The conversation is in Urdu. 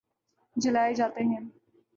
جلائے جاتے ہیں